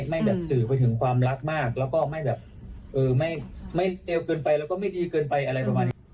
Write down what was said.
ไม่แบบสื่อไปถึงความรักมากแล้วก็ไม่แบบไม่เร็วเกินไปแล้วก็ไม่ดีเกินไปอะไรประมาณนี้